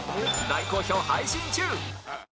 大好評配信中